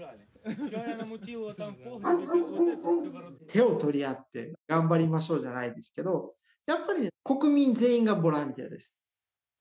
手を取り合って頑張りましょうじゃないですけどやっぱり国民全員がボランティアです。